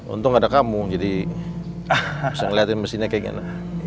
untung ada kamu jadi bisa ngeliatin mesinnya kayak gimana